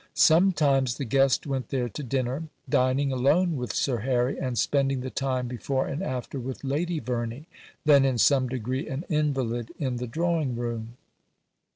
Sometimes the guest went there to dinner, dining alone with Sir Harry and spending the time before and after with Lady Verney, then in some degree an invalid, in the drawing room.